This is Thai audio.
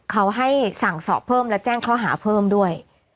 เขาให้สั่งสอบเพิ่มและแจ้งข้อหาเพิ่มด้วย